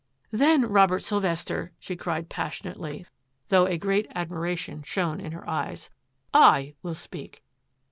Then, Robert Sylvester," she cried passion ately, though a great admiration shone in her eyes, "/will speak!"